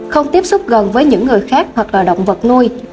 không tiếp xúc gần với những người khác hoặc là động vật nuôi